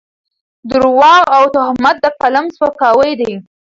درواغ او تهمت د قلم سپکاوی دی.